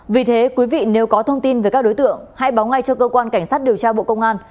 vì thế quý vị nếu có thông tin về các đối tượng hãy báo ngay cho cơ quan cảnh sát điều tra bộ công an